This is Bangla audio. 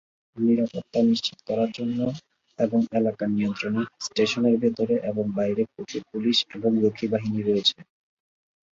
নিরাপত্তা নিশ্চিত করার জন্য এবং এলাকার নিয়ন্ত্রণে স্টেশনের ভেতরে এবং বাইরে প্রচুর পুলিশ এবং রক্ষী বাহিনী রয়েছে।